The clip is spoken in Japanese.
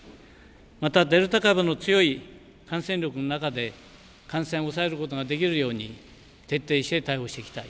またデルタ株の強い感染力の中で感染を抑えることができるように徹底して対応していきたい